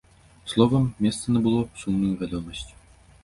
Словам, месца набыло сумную вядомасць.